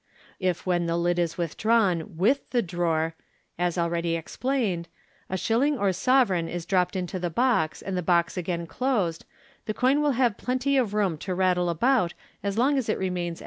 If when the lid is withdrawn with the drawer, as already explained, a shilling or sovereign is dropped into the box. and ,the box again closed, the coin will have plenty of room to rattle about as long as it remains Fig. 219. Fig. 220.